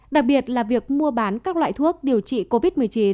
đặc biệt là việc mua bán các loại thuốc điều trị covid một mươi chín